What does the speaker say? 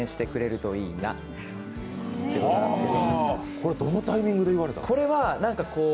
これどのタイミングで言われたんですか？